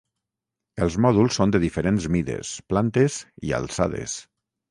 Els mòduls són de diferents mides, plantes i alçades.